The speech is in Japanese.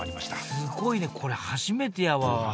すごいねこれ初めてやわ。